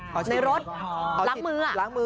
กลับตะร่าง